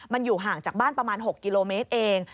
มันอยู่ห่างจากบ้านประมาณ๖กิโลเมตรเอง